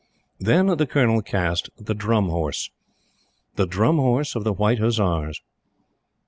Then the Colonel cast the Drum Horse the Drum Horse of the White Hussars!